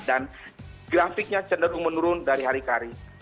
dan grafiknya cenderung menurun dari hari ke hari